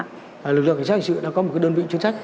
lực lượng cảnh sát hành sự đã có một đơn vị chuyên sách